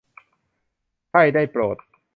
ใช่ได้โปรด !